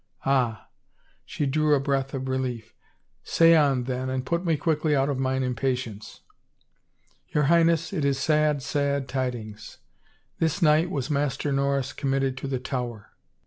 " Ah I " she drew a breath of relief. " Say on then and put me quickly out of mine impatience." Your Highness, it is sad, sad tidings. This night was Master Norris committed to the Tower."